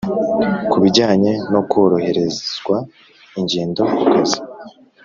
Ku bijyanye no kworoherezwa ingendo ku kazi